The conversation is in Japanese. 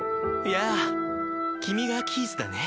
やあ君がキースだね。